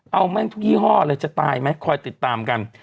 เอาแม่งทุกยี่ห้อเลยจะตายไหมคอยติดตามกัน